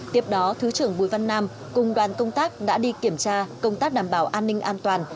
tiếp đó thứ trưởng bùi văn nam cùng đoàn công tác đã đi kiểm tra công tác đảm bảo an ninh an toàn